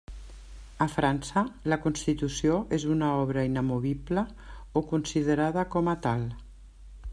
A França, la constitució és una obra inamovible o considerada com a tal.